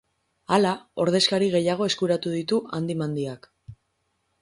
Hala, ordezkari gehiago eskuratu ditu handi-mandiak.